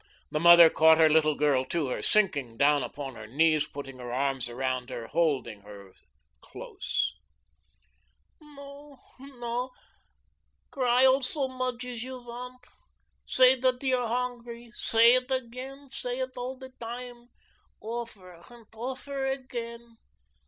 The mother caught her little girl to her, sinking down upon her knees, putting her arms around her, holding her close. "No, no, gry all so mudge es you want. Say dot you are hongry. Say ut egen, say ut all de dime, ofer end ofer egen.